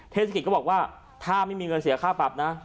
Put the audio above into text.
เทศกิจก็บอกว่าถ้าไม่มีเงินเสียค่าปรับนะ